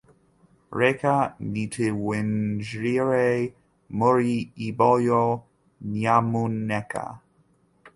Reka ntitwinjire muri ibyo, nyamuneka.